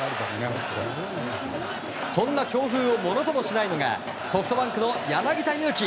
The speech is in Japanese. そんな強風をものともしないのがソフトバンクの柳田悠岐。